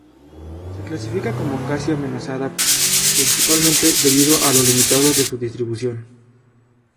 Se clasifica como casi amenazada, principalmente debido a lo limitado de su distribución.